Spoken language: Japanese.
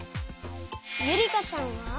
ゆりかさんは？